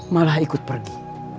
malah ikut pergi